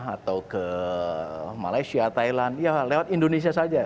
atau ke malaysia thailand ya lewat indonesia saja